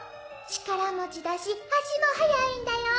力持ちだし足も速いんだよ。